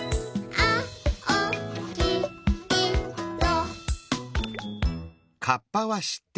「あおきいろ」